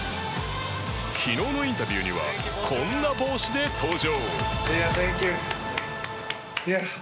昨日のインタビューにはこんな帽子で登場。